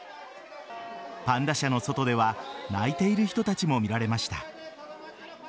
パンダ舎の外では泣いている人たちも見られました。